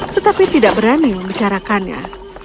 tetapi tidak berani membicarakannya